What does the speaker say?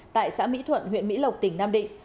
tại xã mỹ thuận huyện mỹ lộc tỉnh nam định